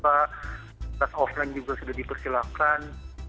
tes offline juga sudah dipersilakan